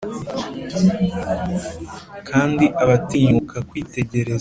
kandi abatinyuka kwitegereza '